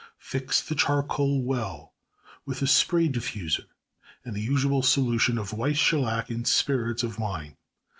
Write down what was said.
Fix the charcoal #well# with a spray diffuser and the usual solution of white shellac in spirits of wine.